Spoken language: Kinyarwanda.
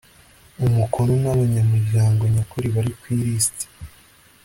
umukono n abanyamuryango nyakuri bari ku ilisiti